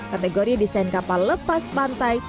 kategori desain kapal lepas pantai